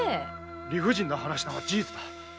理不尽な話だが事実だ。